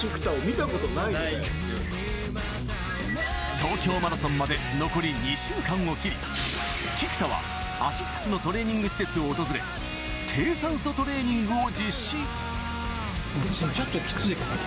東京マラソンまで残り２週間を切り菊田はアシックスのトレーニング施設を訪れ低酸素トレーニングを実施。